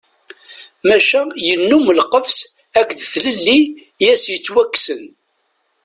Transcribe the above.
Maca yennum lqefs akked tlelli i as-yettwakksen.